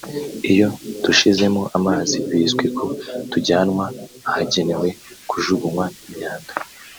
Iyo dushizemo amazi bizwi ko tujyanwa ahagenewe kujugunywa imyanda